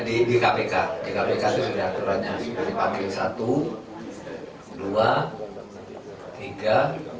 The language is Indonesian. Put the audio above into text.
di kpk itu sudah ada aturannya